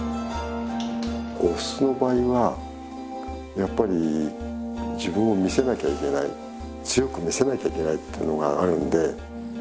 オスの場合はやっぱり自分を見せなきゃいけない強く見せなきゃいけないというのがあるんで。